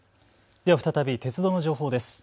では再び鉄道の情報です。